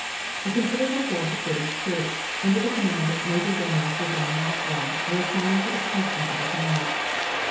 A considerable force of British troops, under the command of Major General Sir John Maxwell, were assigned for the protection of the Canal.